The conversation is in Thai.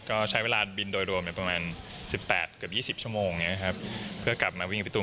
ก็ใช้เวลาบินโดยรวมประมาณ๑๘๒๐ชั่วโมงเพื่อกลับมาวิ่งกับพี่ตูน